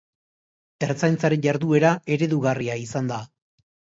Ertzaintzaren jarduera eredugarria izan da.